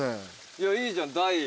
いやいいじゃん「大」